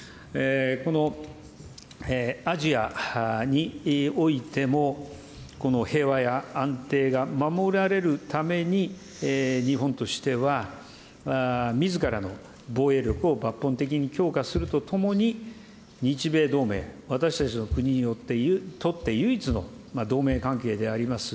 このアジアにおいても、この平和や安定が守られるために、日本としてはみずからの防衛力を抜本的に強化するとともに、日米同盟、私たちの国にとって唯一の同盟関係であります